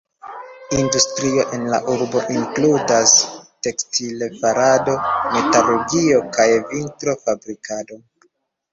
Industrio en la urbo inkludas tekstil-farado, metalurgio, kaj vitro-fabrikado.